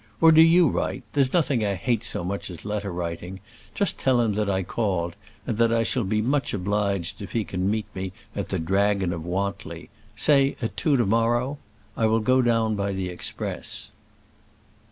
Or do you write. There's nothing I hate so much as letter writing; just tell him that I called, and that I shall be much obliged if he can meet me at the Dragon of Wantly say at two to morrow. I will go down by the express."